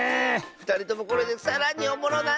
ふたりともこれでさらにおもろなったんちゃう